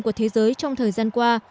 của thế giới trong thời gian qua